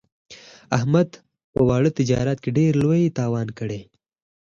احمد په واړه تجارت کې ډېر لوی تاوان کړی دی.